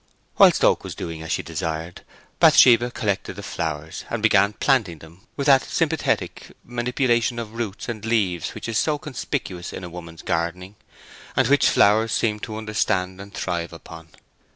Whilst Oak was doing as she desired, Bathsheba collected the flowers, and began planting them with that sympathetic manipulation of roots and leaves which is so conspicuous in a woman's gardening, and which flowers seem to understand and thrive upon.